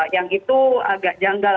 yang itu agak janggal